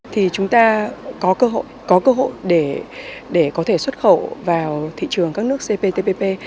thì chúng ta có cơ hội để có thể xuất khẩu vào thị trường các nước cp tpp